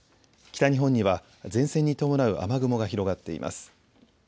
北日本には前線に伴う雨雲が広がっています。